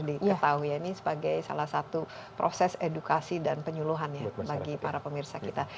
diketahui ya ini sebagai salah satu proses edukasi dan penyuluhan ya bagi para pemirsa kita